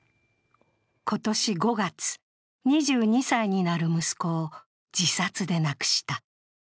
今年５月、２２歳になる息子を自殺で亡くした。